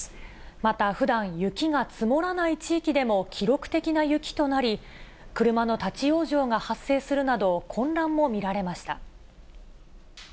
また、ふだん雪が積もらない地域でも記録的な雪となり、車の立往生が発生するなど、混乱も見られました。